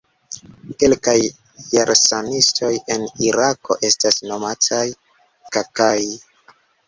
Kelkaj Jarsanistoj en Irako estas nomataj "Kaka'i".